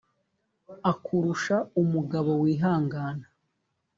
akurusha umugabo wihangana.